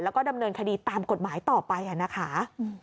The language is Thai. แล้วก็ดำเนินคดีตามกฎหมายต่อไปนะคะ